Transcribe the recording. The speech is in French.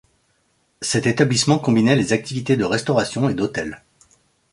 Cet établissement combinait les activités de restauration et d'hôtel.